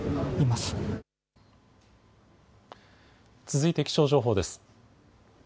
続いて気象情報です。